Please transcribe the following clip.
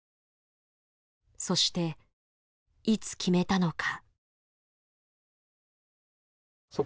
そしていつ決めたのか。